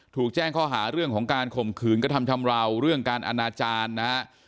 ถูกแจ้งข้อหาเรื่องของการข่มขืนกระทำชำราวเรื่องการอนาจารย์นะฮะ